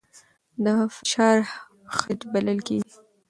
دا فشار خج بلل کېږي.